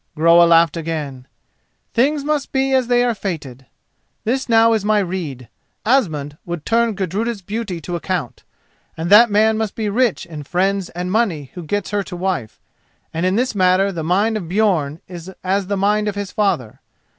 Groa laughed again. "Things must be as they are fated. This now is my rede: Asmund would turn Gudruda's beauty to account, and that man must be rich in friends and money who gets her to wife, and in this matter the mind of Björn is as the mind of his father.